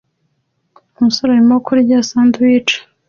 Umusore arimo kurya sandwich